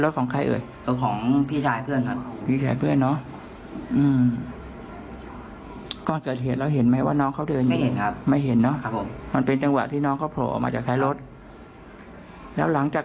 ด้วยเพื่อรับเพื่อนดีของกับเพื่อนน้ำมันหมดครับ